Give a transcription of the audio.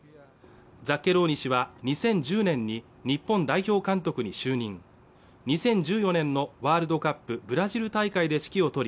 ザッケローニ氏は２０１０年に日本代表監督に就任２０１４年のワールドカップブラジル大会で指揮を執り